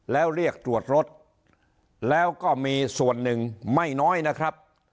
แล้วเรียกตรวจรถแล้วก็มีส่วนหนึ่งไม่น้อยนะครับ